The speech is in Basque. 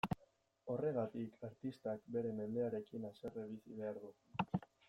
Horregatik, artistak bere mendearekin haserre bizi behar du.